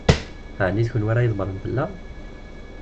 Ɛni d kenwi ara ydebbṛen fell-aɣ?